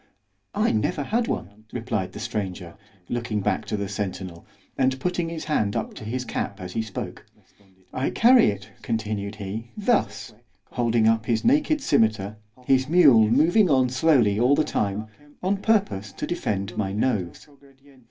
_——I never had one, replied the stranger, looking back to the centinel, and putting his hand up to his cap as he spoke——I carry it, continued he, thus——holding up his naked scymetar, his mule moving on slowly all the time—on purpose to defend my nose.